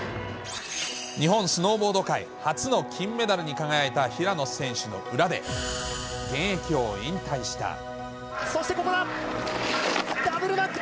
日本スノーボード界初の金メダルに輝いた平野選手の裏で、そしてここだ。